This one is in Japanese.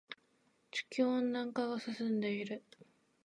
地球温暖化が進んでいる。